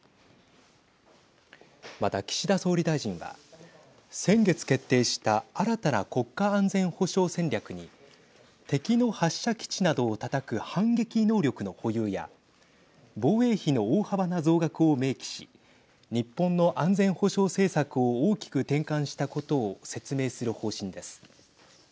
また、岸田総理大臣は先月決定した新たな国家安全保障戦略に敵の発射基地などをたたく反撃能力の保有や防衛費の大幅な増額を明記し日本の安全保障政策を大きく転換したことを説明する方針です。